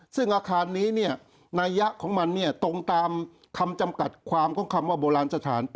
ซึ่งอาคารนี้นัยยะของมันตรงตามคำจำกัดความของคำว่าโบราณสถาน